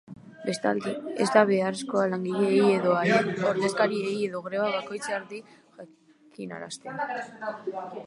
Bestalde, ez da beharrezkoa langileei edo haien ordezkariei edo greba-batzordeari jakinaraztea.